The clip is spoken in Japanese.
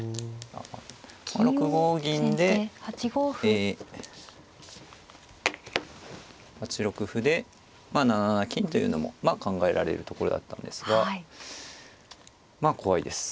６五銀でえ８六歩で７七金というのもまあ考えられるところだったんですがまあ怖いです。